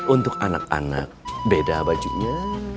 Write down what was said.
untuk anak anak beda bajunya